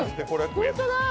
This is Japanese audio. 本当だ。